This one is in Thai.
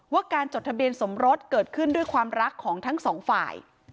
การจดทะเบียนสมรสเกิดขึ้นด้วยความรักของทั้งสองฝ่าย